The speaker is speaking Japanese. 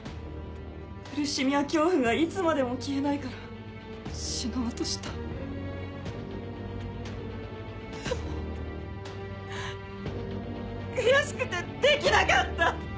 苦しみや恐怖はいつまでも消えないから死のうとしたでも悔しくてできなかった！